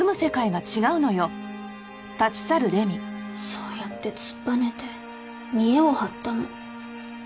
そうやって突っぱねて見えを張ったの。